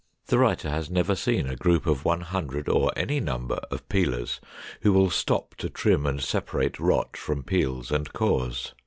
The writer has never seen a group of one hundred, or any number, of peelers who will stop to trim and separate rot from peels and cores.